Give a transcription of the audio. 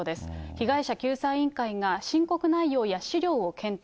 被害者救済委員会が申告内容や資料を検討。